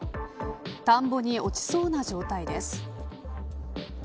田んぼに落ちそうな状態です。